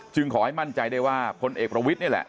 ขอให้มั่นใจได้ว่าพลเอกประวิทย์นี่แหละ